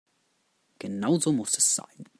Genau so muss es sein.